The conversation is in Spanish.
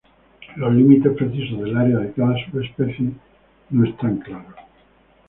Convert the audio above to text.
Los límites precisos del área de cada subespecie no son claros.